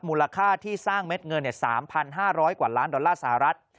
มูลค่าที่สร้างเม็ดเงิน๓๕๐๐กว่าล้านดอลลาร์สหรัฐ